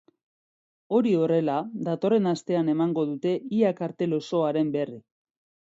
Hori horrela, datorren astean emango dute ia kartel osoaren berri.